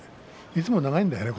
いつも長いんだよね